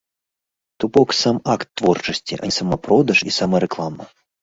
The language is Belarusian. То бок, сам акт творчасці, а не самапродаж і самарэклама.